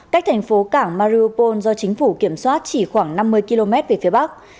cách thành phố cảng marupol do chính phủ kiểm soát chỉ khoảng năm mươi km về phía bắc